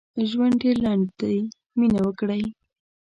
ژوند ډېر لنډ دي مينه وکړئ